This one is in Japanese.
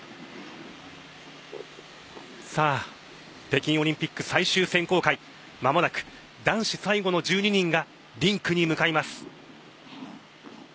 さあ北京オリンピック最終選考会間もなく男子最後の１２人がリンクに向かいます。